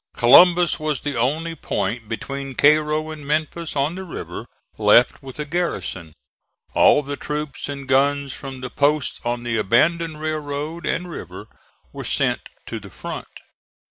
Columbus was the only point between Cairo and Memphis, on the river, left with a garrison. All the troops and guns from the posts on the abandoned railroad and river were sent to the front.